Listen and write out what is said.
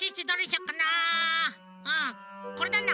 うんこれだな。